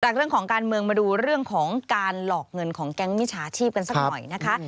เรื่องของการเมืองมาดูเรื่องของการหลอกเงินของแก๊งมิจฉาชีพกันสักหน่อยนะคะ